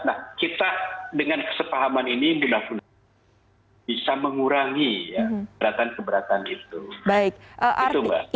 nah kita dengan kesepahaman ini bisa mengurangi keberatan keberatan itu